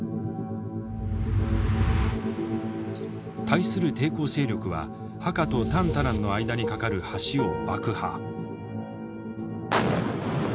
対する抵抗勢力はハカとタンタランの間に架かる橋を爆破。